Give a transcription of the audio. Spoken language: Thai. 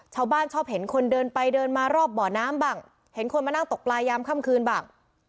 ชอบเห็นคนเดินไปเดินมารอบบ่อน้ำบ้างเห็นคนมานั่งตกปลายามค่ำคืนบ้าง